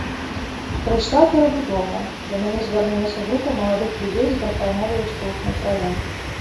Прыйшла перабудова, да мяне звярнулася група маладых людзей з прапановай ускалыхнуць раён.